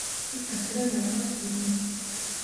ის ასევე მართავს ბიზნესს.